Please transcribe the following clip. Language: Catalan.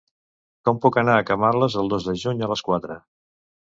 Com puc anar a Camarles el dos de juny a les quatre?